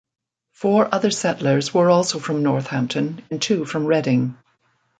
Four other settlers were also from Northampton and two from Reading.